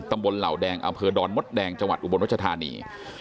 เหล่าแดงอำเภอดอนมดแดงจังหวัดอุบลรัชธานี